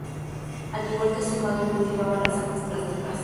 Al igual que su padre, cultivaba las artes plásticas.